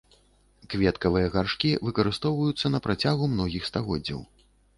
Кветкавыя гаршкі выкарыстоўваюцца на працягу многіх стагоддзяў.